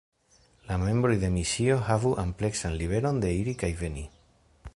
La membroj de misio havu ampleksan liberon de iri kaj veni.